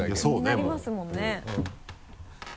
気になりますもんね。